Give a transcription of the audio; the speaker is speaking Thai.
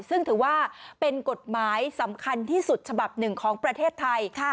ซึ่งถือว่าเป็นกฎหมายสำคัญที่สุดฉบับหนึ่งของประเทศไทย